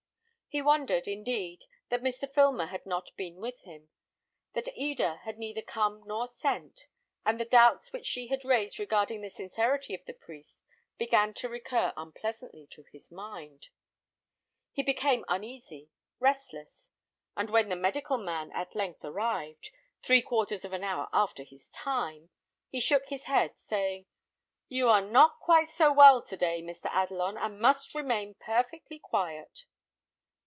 He wondered, indeed, that Mr. Filmer had not been with him, that Eda had neither come nor sent; and the doubts which she had raised regarding the sincerity of the priest began to recur unpleasantly to his mind. He became uneasy, restless; and when the medical man at length arrived, three quarters of an hour after his time, he shook his head, saying, "You are not quite so well today, Mr. Adelon, and must remain perfectly quiet."